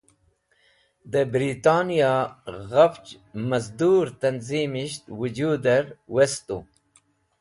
De Britaniya Ghafch Mazdur Tanzimisht Wujuder Westu.